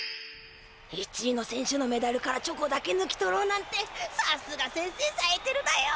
１いのせんしゅのメダルからチョコだけぬき取ろうなんてさすがせんせさえてるだよ！